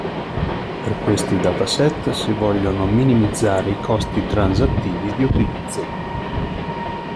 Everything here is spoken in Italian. Per questi dataset, si vogliono minimizzare i costi transattivi di utilizzo.